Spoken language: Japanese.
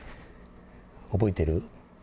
覚えてる？